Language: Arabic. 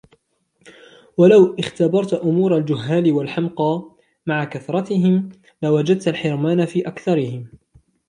وَلَوْ اخْتَبَرْت أُمُورَ الْجُهَّالِ وَالْحَمْقَى ، مَعَ كَثْرَتِهِمْ ، لَوَجَدَتْ الْحِرْمَانَ فِي أَكْثَرِهِمْ